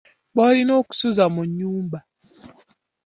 B’olina okusuza mu nnyumba.